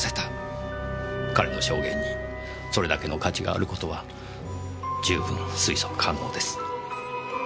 彼の証言にそれだけの価値がある事は十分推測可能です。